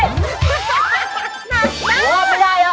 หนักมากโอ๊ยไม่ได้ไม่ได้รอด